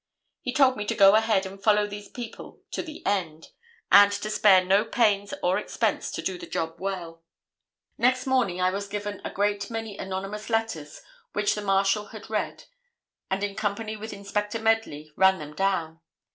He told me to go ahead and follow these people to the end, and to spare no pains or expense to do the job well. "Next morning I was given a great many anonymous letters which the Marshal had read, and in company with Inspector Medley, ran them down.